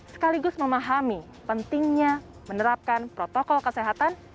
sekaligus memahami pentingnya menerapkan protokol kesehatan